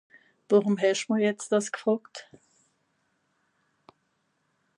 Worùm hesch mich jetz dìss gfröjt ?